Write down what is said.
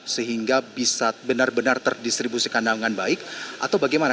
sehingga bisa benar benar terdistribusikan dengan baik atau bagaimana